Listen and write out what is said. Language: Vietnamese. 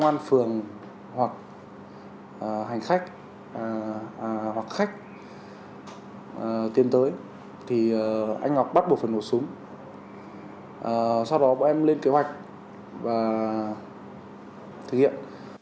anh ngọc bắt một phần khẩu súng sau đó bọn em lên kế hoạch và thực hiện